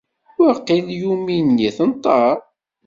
Waqil Yumi-nni tenṭerr.